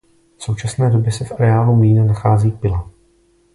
V současné době se v areálu mlýna nachází pila.